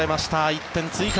１点追加。